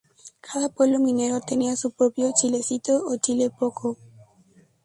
Cada pueblo minero tenía su propio "Chilecito" o "Chile poco".